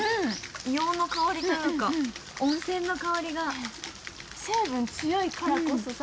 硫黄の香りというか温泉の香りが成分強いからこそさ